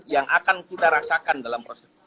yang akan kita rasakan dalam proses